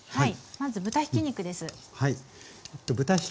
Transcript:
まず豚ひき肉です。